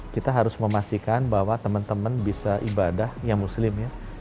kita harus memastikan bahwa teman teman bisa ibadah yang muslim ya